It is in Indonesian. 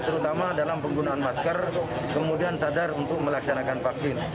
terutama dalam penggunaan masker kemudian sadar untuk melaksanakan vaksin